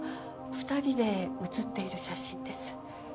２人で写っている写真です。